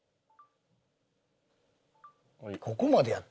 ここまでやった。